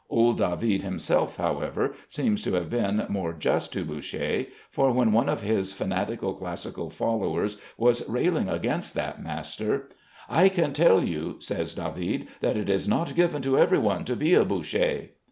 Old David himself, however, seems to have been more just to Boucher, for when one of his fanatical classical followers was railing against that master, "I can tell you," says David, "that it is not given to every one to be a Boucher."